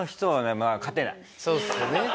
そうっすね。